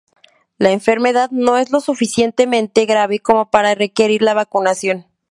La enfermedad no es lo suficientemente grave como para requerir la vacunación.